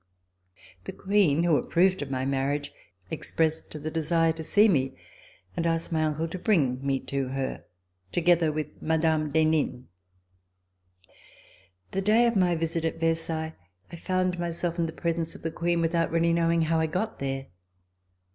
The Queen, who approved of my marriage, ex pressed the desire to see me and asked my uncle to bring me to her, together with Mme. d'Henin. The day of my visit at Versailles I found myself in the presence of the Queen without really knowing how C41] RECOLLECTIONS OF THE REVOLUTION I got there.